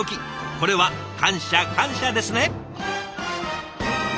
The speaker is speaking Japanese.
これは感謝感謝ですね。